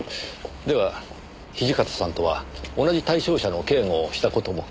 では土方さんとは同じ対象者の警護をした事も？